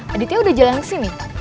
aditnya sudah jalan ke sini